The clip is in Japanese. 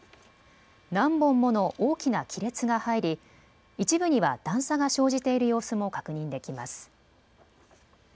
何本もの大きな亀裂が入り一部には段差が生じている様子も確認できます。